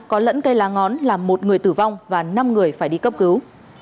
có lẫn cây lá ngón làm một người tử vong và năm người phải đi cấp cứu